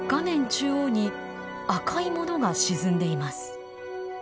中央に赤いものが沈んでいます。